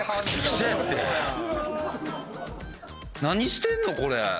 何してんのこれ？